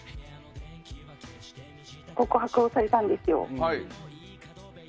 告白をされたんですよ。